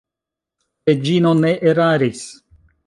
Reĝino ne eraris.